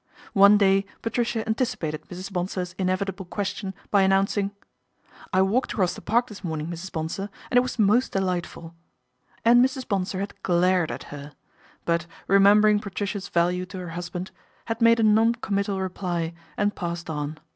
One day Patricia anticipated Mrs. Bonsor's inevitable question by announcing, " I walked across the Park this morning, Mrs. Bonsor, it was most delightful," and Mrs. Bonsor had glared at her, but, remembering Patricia's value to her husband, had made a non committal reply and passed on.